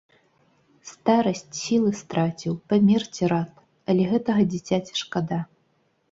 Старасць, сілы страціў, памерці рад, але гэтага дзіцяці шкада.